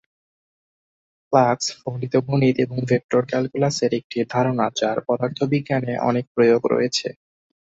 Flux ফলিত গণিত এবং ভেক্টর ক্যালকুলাসের একটি ধারণা যার পদার্থবিজ্ঞানে অনেক প্রয়োগ রয়েছে।